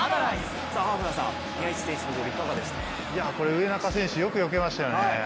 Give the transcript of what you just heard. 植中選手、よくよけましたよね。